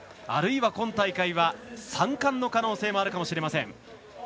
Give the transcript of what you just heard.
あるいは今大会は３冠の可能性もあるかもしれません。